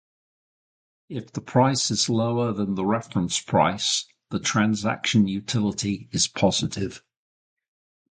If the price is lower than the reference price, the transaction utility is positive.